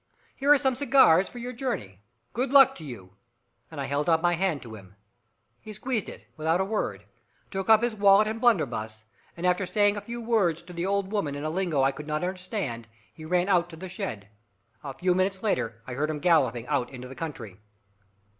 Here are some cigars for your journey. Good luck to you." And I held out my hand to him. He squeezed it, without a word, took up his wallet and blunderbuss, and after saying a few words to the old woman in a lingo that I could not understand, he ran out to the shed. A few minutes later, I heard him galloping out into the country.